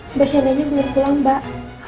mbak shana ini belum pulang mbak